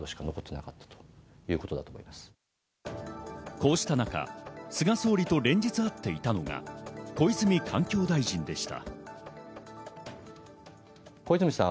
こうした中、菅総理と連日会っていたのが小泉環境大臣でした。